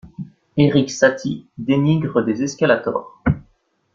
Erik Satie dénigre des escalators.